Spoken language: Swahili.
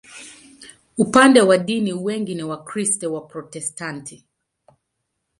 Upande wa dini, wengi ni Wakristo Waprotestanti.